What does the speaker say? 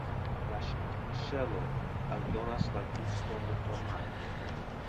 La ŝelo aldonas la guston de fromaĝo.